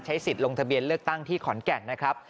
สิทธิ์ลงทะเบียนเลือกตั้งที่ขอนแก่นนะครับ